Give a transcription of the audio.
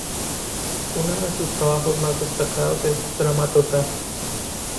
Uno de sus trabajos más destacados es "Drama Total".